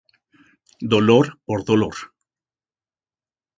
Dolor por dolor.